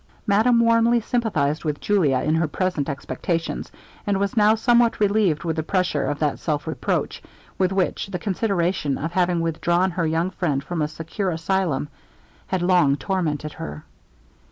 Madame warmly sympathized with Julia in her present expectations, and was now somewhat relieved from the pressure of that self reproach, with which the consideration of having withdrawn her young friend from a secure asylum, had long tormented her.